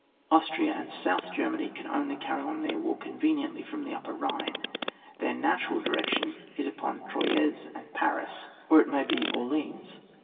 Austria and South Germany can only carry on their war con veniently fix)m the upper Rhine. Their natural direction is upon Troyes and Paris, or it may be Orleans.